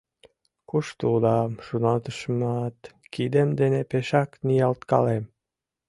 Кушто улам, шоналтышымат, кидем дене пешак ниялткалем.